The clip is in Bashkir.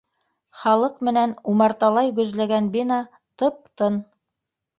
Халыҡ менән умарталай гөжләгән бина тып-тын.